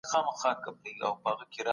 دې موخې ته رسېدل ګډ کار غواړي.